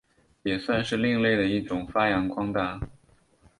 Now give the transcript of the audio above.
也算是另类的一种发扬光大。